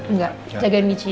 enggak jagain mici ya